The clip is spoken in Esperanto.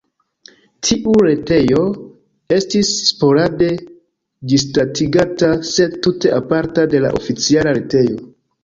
Tiu retejo estis sporade ĝisdatigata, sed tute aparta de la oficiala retejo.